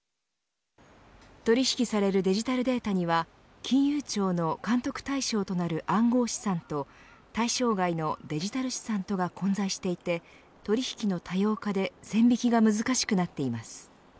取り引されるデジタルデータには金融庁の監督対象となる暗号資産と対象外のデジタル資産とが混在していて取り引きの多様化で線引きが難しくなっています。